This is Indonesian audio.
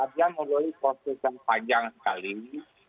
dia memulai proses yang panjang sekali